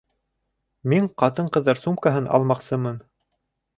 Мин ҡатын-ҡыҙҙар сумкаһын алмаҡсымын